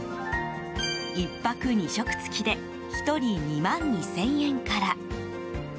１泊２食付きで１人２万２０００円から。